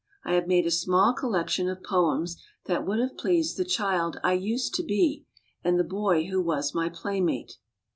I have made a small collection of poems that would have pleased the child I used to be and the boy who was my playmate.